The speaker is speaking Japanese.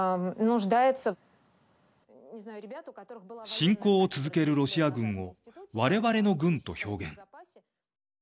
侵攻を続けるロシア軍をわれわれの軍と表現。